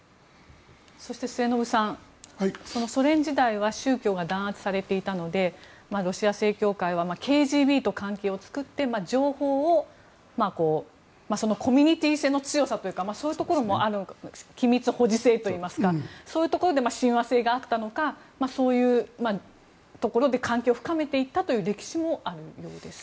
そして末延さんソ連時代は宗教が弾圧されていたのでロシア正教会はＫＧＢと関係を作って情報をコミュニティー性の強さというかそういうところも機密保持制といいますかそういうところで親和性があったのかそういうところで関係を深めていったという歴史もあるようです。